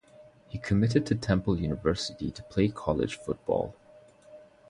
He committed to Temple University to play college football.